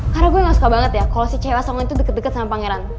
karena gue gak suka banget ya kalo si cewek asongan itu deket deket sama pangeran